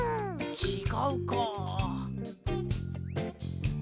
ちがうか。